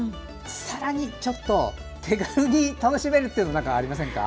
さらにちょっと手軽に楽しめるっていうのはありませんか？